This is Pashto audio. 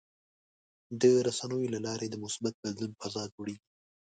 د رسنیو له لارې د مثبت بدلون فضا جوړېږي.